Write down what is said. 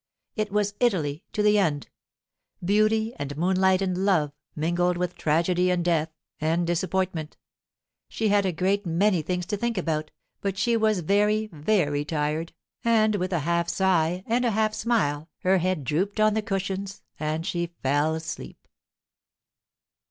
It was Italy to the end—beauty and moonlight and love, mingled with tragedy and death and disappointment. She had a great many things to think about, but she was very, very tired, and with a half sigh and a half smile her head drooped on the cushions and she fell asleep.